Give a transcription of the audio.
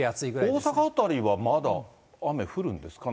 大阪辺りはまだ雨降るんですか。